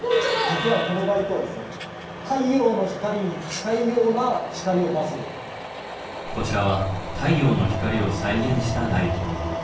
実はこのライトはこちらは太陽の光を再現したライト。